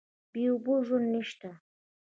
بې اوبو ژوند نشته.